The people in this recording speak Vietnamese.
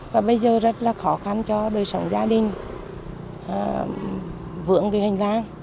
và bây giờ rất là khó khăn cho đời sống gia đình vướng cái hành lang